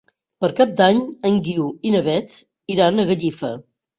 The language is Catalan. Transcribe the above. Per Cap d'Any en Guiu i na Beth iran a Gallifa.